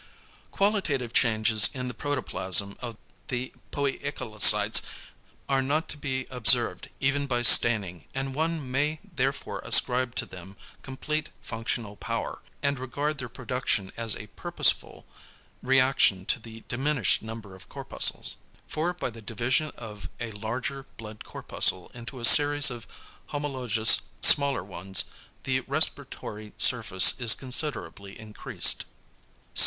Qualitative changes in the protoplasm of the poikilocytes are not to be observed, even by staining; and one may therefore ascribe to them complete functional power, and regard their production as a purposeful reaction to the diminished number of corpuscles. For by the division of a larger blood corpuscle into a series of homologous smaller ones, the respiratory surface is considerably increased.